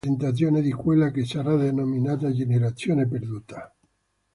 È una primissima presentazione di quella che sarà denominata generazione perduta.